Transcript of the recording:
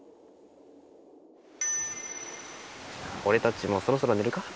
俺たちもそろそろ寝るか。